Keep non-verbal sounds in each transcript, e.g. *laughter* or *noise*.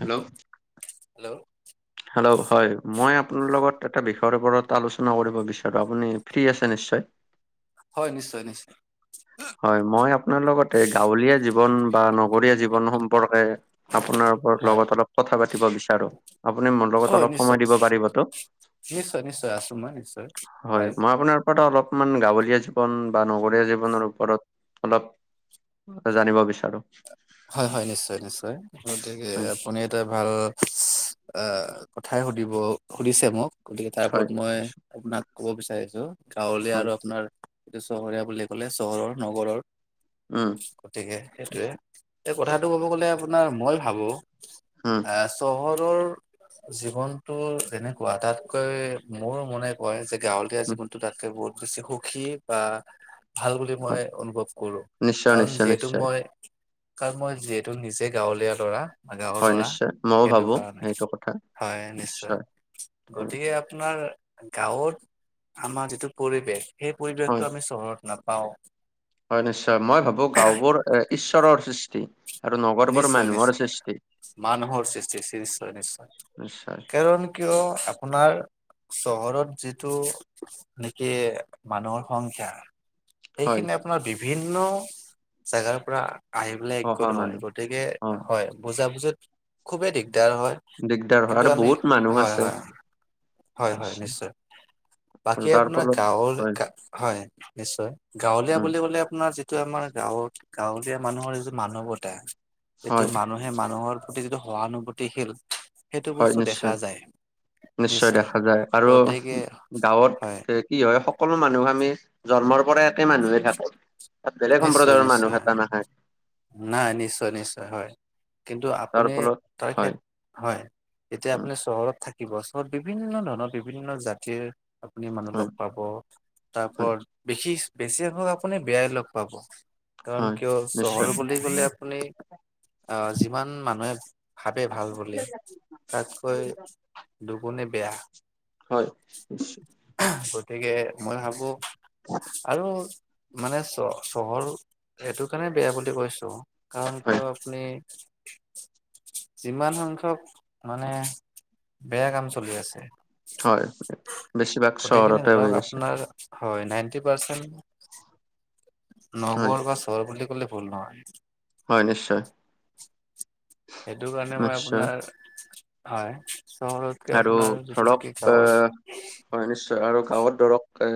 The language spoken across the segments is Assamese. হেল্ল'। হেল্ল'? হেল্ল'? হয়, মই আপোনাৰ লগত এটা বিষয়ৰ ওপৰত আলোচনা কৰিব বিচাৰোঁ। আপুনি ফ্ৰী আছে নিশ্চয়? হয়, নিশ্চয় - নিশ্চয়। হয়, মই আপোনাৰ লগতে গাঁৱলীয়া জীৱন বা নগৰীয়া জীৱন সম্পৰ্কে আপোনাৰ হয় লগত অলপ কথা পাতিব বিচাৰো। আপুনি মোৰ লগত হয় অলপ নিশ্চয় সময় দিব পাৰিবতো? নিশ্চয় - নিশ্চয়, আছোঁ মই। নিশ্চয় পাৰিম। তো অলপমান গাঁৱলীয়া জীৱন বা নগৰীয়া জীৱনৰ ওপৰত অলপ জানিব বিচাৰোঁ। হয় - হয়, নিশ্চয় - নিশ্চয়। গতিকে উম, আপুনি এটা ভাল অ' কথাই সুধিব- সুধিছে মোক। গতিকে তাৰ হয় ওপৰত মই আপোনাক ক'ব বিচাৰিছোঁ। গাঁৱলীয়া হয় আৰু আপোনাৰ এইটো চহৰীয়া বুলি ক'লে চহৰৰ - নগৰৰ উম গতিকে সেইটোৱে। এই কথাটো কব গলে আপোনাৰ, মই ভাবোঁ হুম। অ' চহৰৰ জীৱনটো তেনেকুৱা, তাতকৈ মোৰ মনে কয় যে গাঁৱলীয়া উম জীৱনটো তাতকে বহুত বেছি সুখী বা ভাল বুলি হয় মই অনুভৱ কৰোঁ, নিশ্চয় কাৰণ নিশ্চয় যিহেতু নিশ্চয় মই কাৰণ মই যিহেতু নিজে গাঁৱলীয়া ল'ৰা বা গাঁৱৰ হয় ল'ৰা, নিশ্চয় মইও সেইটো ভাবোঁ কাৰণে। সেইটো কথা হয় নিশ্চয়। হয় গতিকে আপোনাৰ গাঁৱত আমাৰ যিটো পৰিৱেশ, সেই হয় পৰিৱেশটো আমি চহৰত নাপাওঁ। হয় নিশ্চয়। মই ভাবোঁ গাঁওবোৰ এ- ঈশ্বৰৰ সৃষ্টি। আৰু নগৰবোৰ নিশ্চয় - মানুহৰ নিশ্চয়। সৃষ্টি মানুহৰ সৃষ্টি, নিশ্চয় - নিশ্চয়। নিশ্চয় কাৰণ কিয় আপোনাৰ চহৰত যিটো নেকি মানুহৰ সংখ্যা হয় সেইখিনি আপোনাৰ বিভিন্ন জেগাৰ পৰা আহি পেলাই অহা একগোট হয়। মানুহ অ গতিকে- হয়, বুজাবুজিত খুবে দিগদাৰ হয়। দিগদাৰ হয় আৰু কিন্তু আমি- বহুত মানুহ হয় - আছে হয়, হয় - হয়, নিশ্চয়। আৰু বাকী তাৰ আপোনাৰ ফলত হয় গাঁৱৰ- হয়, নিশ্চয়। গাঁৱলীয়া উম বুলি কলে আপোনাৰ টো আমাৰ গাঁৱত গাঁৱলীয়া মানুহৰ যিটো মানৱতা, এইটো হয় মান সেই মানুহৰ প্ৰতি যিটো সহানুভূতিশীল, সেইটো হয় বস্তু নিশ্চয় দেখা যায়। নিশ্চয় দেখা যায়। আৰু গতিকে হয় গাঁৱত কি হয়, সকলো মানুহ আমি জন্মৰ পৰা একে মানুহে থাকোঁ। তাত বেলেগ নিশ্চয় সম্প্ৰদায়ৰ নিশ্চয় মানুহ *unintelligible* নাই, নিশ্চয় - নিশ্চয় হয়। কিন্তু তাৰ আপুনি ফলত তাৰ ক্ষে হয় হয়। এতিয়া উম আপুনি চহৰত থাকিব, চহৰত বিভিন্ন ধৰণৰ বিভিন্ন জাতিৰ আপুনি মানুহ হয় লগ পাব। হয় তাৰপৰত বেশি- বেছি সংখ্যক আপুনি বেয়াই লগ পাব। কাৰণ হয় কিয় নিশ্চয় লে আপুনি অ'- যিমান মানুহে ভাবে ভাল বুলি, তাতকৈ দুগুণে বেয়া। হয়, নিশ্চয়। গতিকে মই ভাবোঁ। আৰু মানে চ- চহৰ এইটো কাৰণে বেয়া বুলি কৈছোঁ, কাৰণ হয় কিয় আপুনি *inaudible* যিমান সংখ্যক মানে বেয়া কাম চলি আছে হয় বেছিভাগ গোটেইখিনি চহৰতে ধৰক হৈ আছে আপোনাৰ, হয় নাইনটি পাৰ্চেন্ট হয় নগৰ বা চহৰ বুলি ক'লে ভুল নহয়। হয়, নিশ্চয়। সেইটো কাৰণে মই নিশ্চয় আপোনাৰ- হয় চহৰত আৰু ধৰক অ' হয় নিশ্চয়, আৰু গাঁৱত ধৰক এ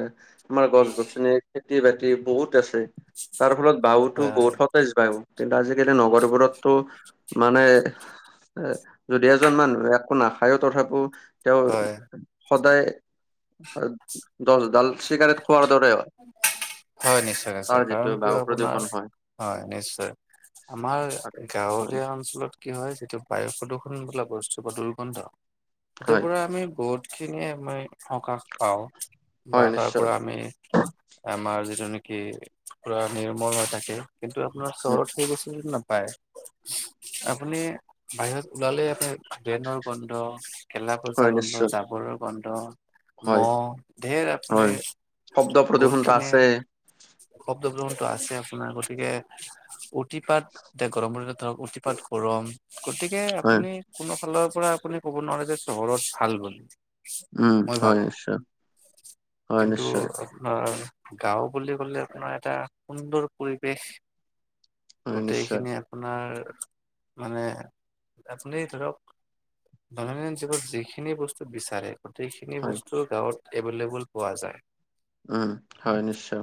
তোমাৰ গছ গছনি খেতি বাতি বহুত আছে, তাৰ ফলত বাহুতো হয় হয়। বহুত *unintelligible* কিন্তু আজিকালি নগৰবোৰতটো মানে এ যদি এজন মানুহ একো নাখায়ো তথাপিও তেওঁ হয় সদায় দছ ডাল চিগাৰেট খোৱাৰ দৰে হয়। হয়, নিশ্চয়- তাৰ নিশ্চয়, যিটো কাৰণ কিয় বায়ু আপোনাৰ প্ৰদূষণ হয় হয় নিশ্চয়। আমাৰ আৰু হয় গাঁৱলীয়া অঞ্চলত কি হয় যিটো বায়ু প্ৰদূষণ বোলা বস্তু বা দুৰ্গন্ধ, সেইটোৰ হয় পৰা আমি বহুত খিনিয়ে আমি সকাহ পাওঁ বা হয় তাৰ নিশ্চয় পৰা আমি আমাৰ যিটো নেকি পুৰা নিৰ্মল হৈ থাকে। কিন্তু আপোনাৰ উম চহৰত সেই বস্তুটো নাপায়, আপুনি বাহিৰত ওলালে আপুনি ডেনৰ গোন্ধ, গেলা হয় পচা গোন্ধ, নিশ্চয় জাবৰৰ গন্ধ হয় মহ, ঢেৰ আপুনি হয় শব্দ বহুত প্ৰদূষণটো খিনি আছে *unintelligible* টো আছে আপোনাৰ, গতিকে অতিপাত এতিয়া গৰমৰ দিনত ধৰক অতিপাত গৰম, গতিকে হয় আপুনি কোনো ফালৰ পৰা আপুনি ক'ব নোৱাৰে যে চহৰত ভাল *unintelligible* উম মই হয় ভাবো, নিশ্চয় হয় কিন্তু নিশ্চয় আপোনাৰ গাওঁ বুলি ক'লে আপোনাৰ এটা সুন্দৰ পৰিৱেশ হয় নিশ্চয় গোটেইখিনি আপোনাৰ, মানে আপুনি ধৰক দৈনন্দিন জীৱনত যিখিনি বস্তু বিচাৰে, গোটেইখিনি হয় বস্তু গাঁৱত এভেইলেবল পোৱা যায়। উম, হয় নিশ্চয়।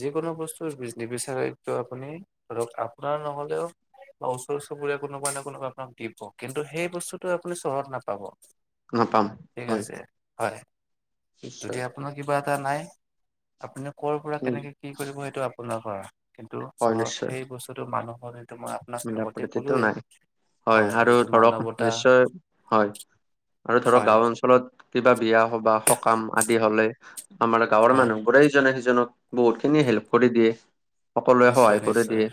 যিকোনো বস্তু নিবিচাৰে এইটো আপুনি ধৰক আপোনাৰ নহ'লেওঁ বা ওচৰ চুবুৰীয়া কোনোবা না কোনোবাই আপোনাক দিব, কিন্তু সেই বস্তুটো আপুনি চহৰত নাপাব। নাপাম ঠিক হয় আছে হয়, যদি নিশ্চয় আপ আপোনাৰ কিবা এটা নাই, আপুনি ক'ৰ পৰা উম কেনেকে কি কৰিব সেইটো আপোনাৰ পৰা কিন্তু চহৰত সেই বস্তুটো মানুহৰ মই আপোনাক আগতে মিলাপতিটো ক'লোয়ে নাই, হয় আৰু যিটো ধৰক মানৱতা নিশ্চয়, হয়। আৰু ধৰক হয় গাঁও অঞ্চলত কিবা বিয়া সবাহ সকাম আদি হ'লে আমাৰ গাঁৱৰ হয় মানুহবোৰেই ইজনে সিজনক বহুত খিনি হেল্প কৰি দিয়ে, সকলোৱে নিশ্চয় সহায় কৰি নিশ্চয় দিয়ে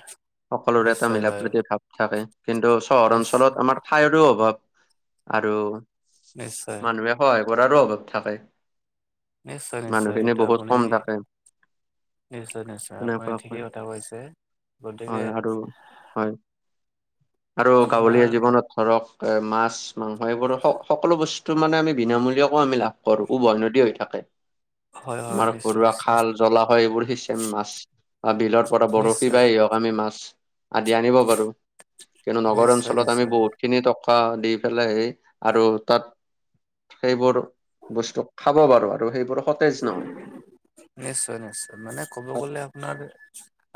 সকলোৰে নিশ্চয় মিলাৰ হয় প্ৰীতিৰ ভাৱ থাকে, কিন্তু চহৰ নিশ্চ- অঞ্চলত আমাৰ ঠাইৰো অভাৱ আৰু নিশ্চয় মানুহে সহায় কৰাৰো অভাৱ থাকে। নিশ্চয়-নিশ্চয়, মানুহখিনি সেইটো বহুত আপুনি কম থাকে নিশ্চয়- নিশ্চয়, আপুনি তেনেকুৱাকৈ ঠিকেই কথা কৈছে গতিকে হয় আৰু হয়, আৰু আপোনাৰ গাৱলীয়া জীৱনত ধৰক এ মাছ মাংস এইবোৰ সকলো বস্তু মানে আমি বিনামূলীয়াকৌ আমি লাভ ঘৰ উভৈনদী হৈ থাকে। হয় হয় তোমাৰ নিশ্চয় ঘৰুৱা নিশ্চয় খাল জলাশয় এইবোৰ সিচম মাছ বা বিলৰ পৰা বৰশী নিশ্চয় বাই হওঁক আমি মাছ আদি আনিব পাৰো, কিন্তু নগৰ নিশ্চয় অঞ্চলত আমি নিশ্চয় বহুত খিনি টকা দি পেলাই সেই, আৰু তাত সেইবোৰ বস্তু খাব পাৰো আৰু সেইবোৰ সতেজ নহয় নিশ্চয়- নিশ্চয়, মানে ক'ব গ'লে আপোনাৰ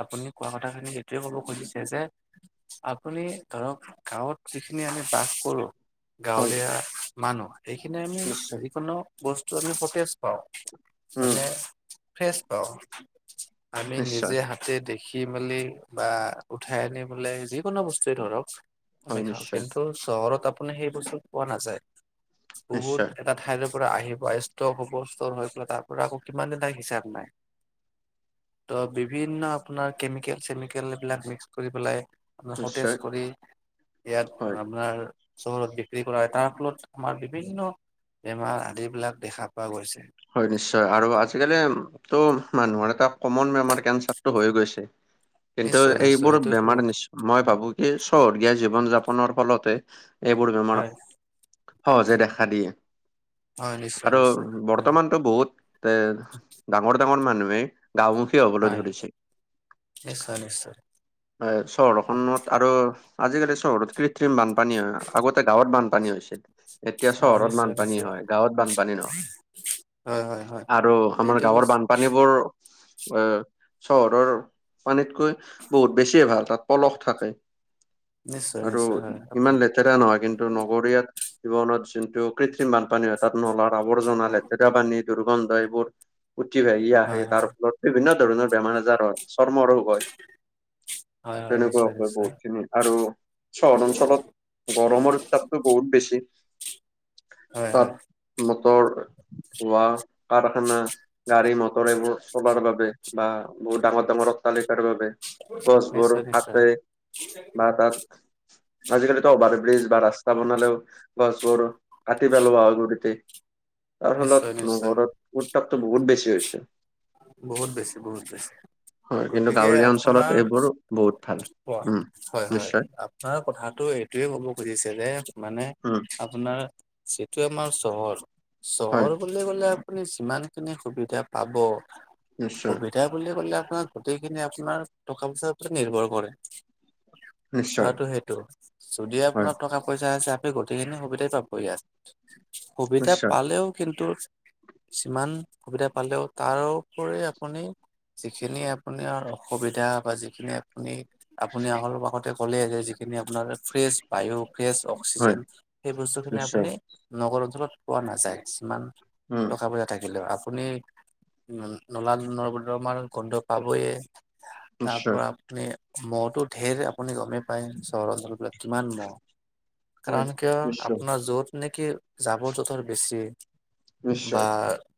আপুনি কোৱা কথাখিনি এইটোৱে ক'ব খুজিছে যে আপুনি ধৰক গাঁৱত যিখিনি আমি বাস কৰোঁ। হয় গাঁৱলীয়া মানুহ, এইখিনি আমি নিশ্চয় যিকোনো বস্তু আমি সতেজ পাওঁ। উম মানে ফ্ৰেচ পাওঁ, আমি নিশ্চয় নিজে হা তে দেখি মেলি বা উঠাই আনি পেলাই যিকোনো বস্তুৱে ধৰক আমি হয় খাওঁ, নিশ্চয় কিন্তু চহৰত আপুনি সেই বস্তু পোৱা নাযায়, নিশ্চয় বহুত এটা ঠাইৰ পৰা আহিব, আহি ষ্টক হ'ব ষ্ট'ৰ হৈ পেলাই তাৰ পৰা আকৌ কিমান দিন থাকে হিচাপ নাই। ত' বিভিন্ন আপোনাৰ কেমিকেল চেমিকেল এইবিলাক মিক্স কৰি পেলাই আপোনাৰ সতেজ নিশ্চয় কৰি ইয়াত হয় আপোনাৰ চহৰত বিক্ৰী কৰা হয় তাৰ ফলত আমাৰ বিভিন্ন বেমাৰ আদিবিলাক দেখা পোৱা গৈছে। হয় নিশ্চয় আৰু আজিকালিটো মানুহৰ এটা- কমন বেমাৰ কেঞ্চাৰটো হৈ গৈছে কিন্তু নিশ্চয় নিশ্চয় এইবোৰ সেইটোতো বেমাৰ নিশ্চয় - মই ভাবো কি চহৰীয়া জীৱন যাপনৰ ফলতে এইবোৰ হয় বেমাৰত- সহজে দেখা দিয়ে। হয় নিশ্চয় নিশ্চয় নিশ্চয়। বৰ্তমানতটো বহুত এ ডাঙৰ ডাঙৰ মানুহে। গাঁও মুখি হ'বলে হয় ধৰিছে। নিশ্চয় নিশ্চয়। হয় চহৰখনত আৰু আজিকালি চহৰত কৃত্ৰিম বানপানী হয় আগতে গাঁৱত বানপানী হৈছিল। এতিয়া অ চহৰত নিশ্চয় বানপানী নিশ্চয় হয় গাঁৱত বানপানী নহয়। হয় হয় হয় আৰু আমাৰ এইটো গাঁৱৰ বস্তু বানপানীবোৰ এ- চহৰৰ পানীতকৈ বহুত বেছিয়ে ভাল তাত পলস থাকে। নিশ্চয় হয়টো নিশ্চয় হয় ইমান আপুনি লে লেতেৰা নহয় কিন্তু নগৰীয়া জীৱনত যোনটো কৃত্ৰিম বানপানী হয় তাত নলাত আৱৰ্জনা - লেতেৰা পানী দুৰ্গন্ধ এইবোৰ উঠি ভহি হয় আহে হয় তাৰ ফলত। বিভিন্ন ধৰণৰ বেমাৰ আজাৰ হয় চৰ্ম ৰোগ। হয় হয় তেনেকুৱা নিশ্চয় হয় নিশ্চয় বহুত খিনি আৰু- চহৰ অঞ্চলত গৰমৰ উত্তাপটো বহুত বেছি হয় তাত হয় মটৰ হোৱা কাৰখানা গাড়ী মটৰ এইবোৰ চলাৰ বাবে বা বহুত ডাঙৰ ডাঙৰ অতাল্লিকাৰ বাবে গছবোৰ নিশ্চয় নিশ্চয় কাতে বা তাত আজিকালিতো অভাৰ ব্ৰিজ বা ৰাস্তা বনালেও গছবোৰ কাটি পেলোৱা হয় গুৰিতে। তাৰ ফলত নিশ্চয় নিশ্চয় নগৰত উত্তাপটো বহুত বেছি হৈছে। বহুত বেছি বহুত বেছি। হয় কিন্তু গতিকে গাঁৱলীয়া অঞ্চলত আপোনাৰ, এইবোৰ বহুত ভাল উম হয় হয়। নিশ্চয় তাৰ কথাটো এইটোয়ে ক'ব খুজিছে যে মানে উম আপোনাৰ। যিটোৱে আমাৰ চহৰ হয় চহৰ বুলি কলে আপুনি যিমানখিনি সুবিধা পাব। নিশ্চয় সুবিধা বুলি কলে আপোনাৰ গোটেইখিনি আপোনাৰ টকা পইচাৰ নিৰ্ভৰ কৰে নিশ্চয় কথাটো সেইটো, যদি হয় আপোনাৰ টকা পইচা আছে আপু গোটেইখিনি সুবিধাই পাব ইয়াত। সুবিধা নিশ্চয় পালেও কিন্তু, যিমান সুবিধা পালেও তাৰো কৰি আপুনি যিখিনি আপোনাৰ অসুবিধা বা যিখিনি আপুনি আপুনি আগতেই ক'লে যিখিনি আপোনাৰ ফ্ৰেচ বায়ু গ্ৰেছ হয় অক্সিজেন সেই বস্তুখিনি নিশ্চয় আপুনি নগৰৰ দৰত পোৱা নাযায় কিছুমান উম। টকা পইচা থাকিলে আপুনি নলা নদৰমাৰ পৰা গোন্ধ পাবয়ে তাৰ নিশ্চয় পৰা মহটো ধেৰ আপুনি গমেই পায় চহৰ অঞ্চলবিলাক কিমান মহ। হয় কাৰণ কিয় নিশ্চয় আপোনাৰ য'ত নেকি জাবৰ জোথৰ বেছি বা নিশ্চয়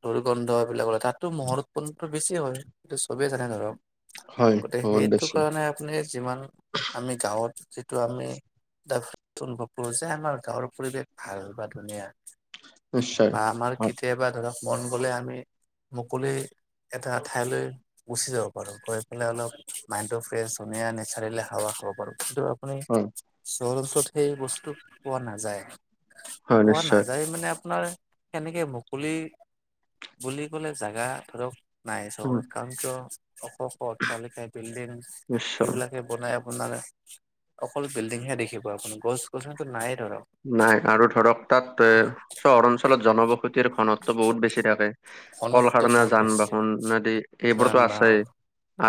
দুৰ্গন্ধ এইবিলাকলে তাতো মহৰ উৎপন্নটো বেছি হয় সেইটো চবেই জানে ধৰক- হয় গতিকে বহুত সেইটো বেছি কাৰণে আপুনি যিমান আমি গাঁৱত যিটো আমি অনুভৱ কৰো যে আমাৰ গাঁৱৰ পৰিৱেশ ভাল বা ধুনীয়া। নিশ্চয় বা আমাৰ হয় কেতিয়াবা ধৰক মন গ'লে আমি মুকলি এটা ঠাইলৈ গুচি যাব পাৰো গৈ পেলাই অলপ মাইড ফ্ৰেছ নেচাৰ হাৱা খাব পাৰো সটো মানে হয় চহৰৰ ওচৰত সেই বস্তু পোৱা নাযায়। হয় পোৱা নিশ্চয় নাযায় মানে আপোনাৰ তেনেকে মুকলি বুলি বোলে জাগা ধৰক নাই উম চহৰত কাৰণ কিয় অশষ তালিকা বিল্ডিং নিশ্চয় সেইবিলাকে বনাই আপোনাৰ অকল বিল্ডিংহে দেখিব আপোনী গছ গছনিটো নাই ধৰক। নাই আৰু ধৰক তাত এ চহৰ অঞ্চলত জনবসতিৰ ঘনত্ব টো বহুত বেছি থাকে। ঘনত্ব কলসাধনা বহুত যান বেছি বাহন আদি এইবোৰতো যান আছে বাহন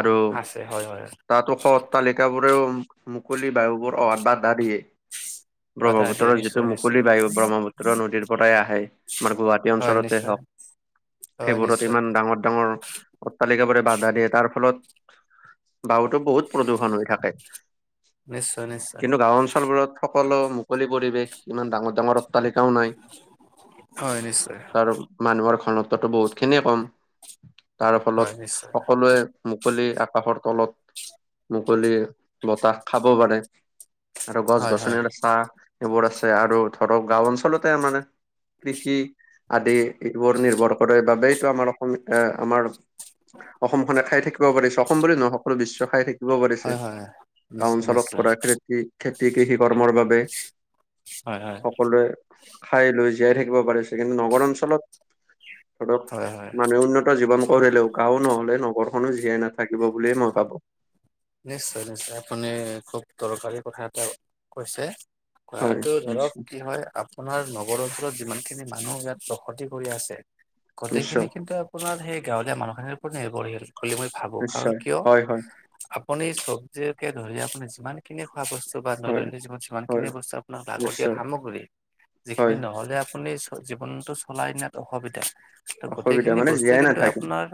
আৰু আছে হয় হয় তাত উশ অট্টালিকাবোৰেও মুকলি বায়ুবোৰ অহাত বাধা দিয়ে বাধা প্ৰভৱতী উত্তৰ দিয়ে যিটো নিশ্চয় মুকলি নিশ্চয় বায়ু ব্ৰহ্মপুত্ৰ নদীৰ পৰাই আহে আমাৰ গুৱাহাটী হয় অঞ্চলতে নিশ্চয় হওক। হয় সেইবোৰত নিশ্চয় ইমান ডাঙৰ ডাঙৰ অট্টালিকাবোৰে বাধা দিয়ে তাৰ ফলত গাঁওতো বহুত প্ৰদূৰষণ হৈ থাকে নিশ্চয় নিশ্চয় কিন্তু গাঁও অঞ্চলবোৰত সকলো মুকলি পৰিৱেশ ইমান ডাঙৰ ডাঙৰ অট্তালিকাও নাই হয় নিশ্চয় তাৰ মানুহৰ ঘণত্বটো বহুত খিনিয়ে কম তাৰ হয় ফলত নিশ্চয় সকলোৱে মুকলি আকাশৰ তলত মুকলি বতাহ খাব পাৰে। আৰু গছ হয় হয় গছনিৰ চাহ এইবোৰ আছে আৰু ধৰক গাও অঞ্চলতে মানে কৃষি আদি এবোৰ নিৰ্ভৰ কৰে বাবেইতো আমাৰ অসম এ আমাৰ অসম খনে খাই থাকিব পাৰিছো অসম বুলি নহয় সকলো বিশ্ব খাই থাকি কৰিব পাৰিছে হয় হয় গাওঁ নিশ্চয় অঞ্চলত নিশ্চয় কৰা খেতি খেতি কৃষি কৰ্মৰ বাবে। হয় হয় সকলোৱে খাই লৈ জীয়াই থাকিব পাৰিছে কিন্তু নগৰ অঞ্চলত ধৰক হয় হয় মানুহ উন্নত জীৱন কৰিলেও গাওঁ নহলে নগৰ কোনো জীয়াই নাথাকিব বুলিয়ে মই ভাবো। নিশ্চয় - নিশ্চয় আপুনি খুব দৰকাৰী কথা এটা কৈছে। অ', হয়। এইটো ধৰক নিশ্চয় কি হয় আ আপোনাৰ নগৰ অঞ্চলত যিমান খিনি মানুহ ইয়াত বসতি কৰি আছে গোটেইখিনি নিশ্চয় কিন্তু আপ সেই গাঁৱলীয়া মানুহখিনিৰ ওপৰত নিৰ্ভৰশীল বুলি মই। ভাবো কাৰণ নিশ্চয় কিয় হয়- হয়। আপুনি চব্জ *unintelligible* কিনে খোৱা বস্তু বা হয় দৈনন্দিন জীৱন যিমানখিনি হয় বস্তু আপোনাক লাগতীয়াল নিশ্চয় সামগ্ৰী। যিখিনি হয় নহলে আপুনি জীৱনতটো চলাই নিয়াত অসুবিধা। অসুবিধা গোটেইখিনি মানে বস্তুৱে জীয়াই কিন্তু নাথাকিম আপোনাৰ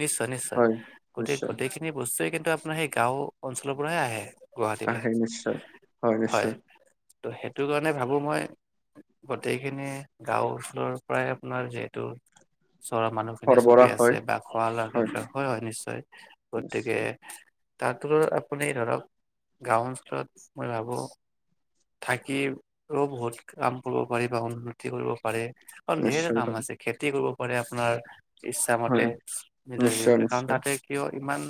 নিশ্চয় নিশ্চয় হয় গোটেই নিশ্চয় গোটেইখিনি সি বস্তুয়ে কিন্তু আপোনাৰ সেই গাঁও অঞ্চলৰ পৰাহে আহে। গুৱাহাটীলে আহে নিশ্চয় হয় নিশ্চয় ত' সেইটো কাৰণে ভাবো মই গোটেইখিনি গাঁও অঞ্চলৰ পৰাই আপোনাৰ যিহেতু চৰা মানুহ খিনি চলি সৰবৰাহ আছে হয় বা খোৱা লোৱাৰ ক্ষেত্ৰত হয় হয় নিশ্চয় গতিকে নিশ্চয় তাত আপুনি ধৰক গাঁও অঞ্চলত মই ভাবোঁ থাকি বহুত কাম কৰিব পাৰি বা উন্নতি কৰিব পাৰে। অণ ঢেৰ নিশ্চয় কাম আছে খেতি কৰিব পাৰে আপোনাৰ ইচ্ছা হয় মতে নিজৰ হ নিশ্চয় মতে কাৰণ নিশ্চয় তাতে কিয় ইমান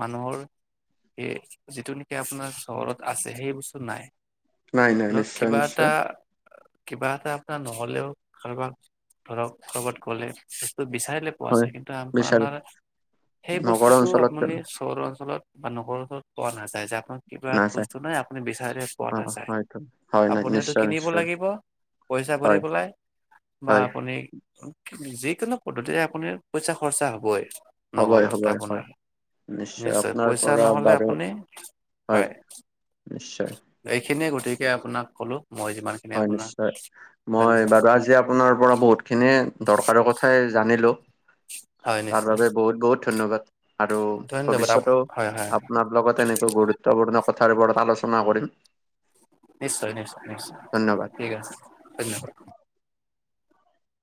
মানুহৰ এই যিটো নেকি আপোনাৰ চহৰত আছে সেই বস্তু নাই। নাই নাই ধৰক নিশ্চয় কিবা এটা নিশ্চয় কিবা এটা আপোনাৰ নহ'লেও কাৰোবাক ধৰক কবাত গ'লে ব বিচাৰিলে পোৱা হয় যাই কিন্তু আ বিচাৰে আপোনাৰ সেই নগৰ বস্তুতটো অঞ্চলত তেন আপুনি সৰু অঞ্চলত বা নহৰ অঞ্চৰত পোৱা নাযায় যাত কিবা এটা নাযায় বস্তু নাই আপুনি বিচাৰিলে পোৱা অ নাযায়। হয়তো হয় নাই আপুনি সেইটো নিশ্চয় কিনিব নিশ্চয় লাগিব পইচা ভৰি হয় পেলাই বা হয় আপুনি যিকোনো পদ্ধতিৰে আপুনি পইচা খৰচা হবই হ'বই নগৰত হ'বই হয় আপোনাৰ। নিশ্চয় আপোনাৰ পইচা পৰা নহ'লে বাৰু আপুনি হয়। নিশ্চয় এইখিনিয়ে গতিকে আপোনাক ক'লো মই যিমান খিনি হয় আপোনাক নিশ্চয় মই জানিছো বাৰু আজি আপোনাৰ পৰা বহুতখিনি দৰকাৰৰ কথা কথাই জানিলো হয় তাৰ নিশ্চয় বাবে বহুত বহুত ধন্যবাদ। আৰু ধন্যবাদ ভৱিষ্যতও হয় হয় আপোনাৰ লগত এনেকৈ গুৰুত্বপূৰ্ণ কথাৰ ওপৰত আলোচনা কৰিম। নিশ্চয়-নিশ্চয়-নিশ্চয় ধন্যবাদ ঠিক আছে ধন্যবাদ।